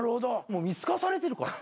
もう見透かされてるから。